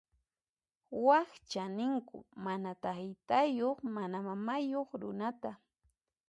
Wakcha ninku mana taytayuq mana mamayuq runata.